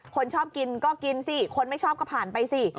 คนชอบกินก็กินสิคนไม่ชอบก็ผ่านไปสิ